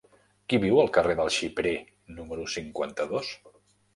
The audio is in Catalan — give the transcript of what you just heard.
Qui viu al carrer del Xiprer número cinquanta-dos?